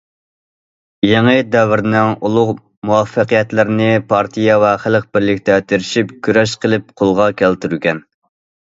يېڭى دەۋرنىڭ ئۇلۇغ مۇۋەپپەقىيەتلىرىنى پارتىيە ۋە خەلق بىرلىكتە تىرىشىپ، كۈرەش قىلىپ قولغا كەلتۈرگەن!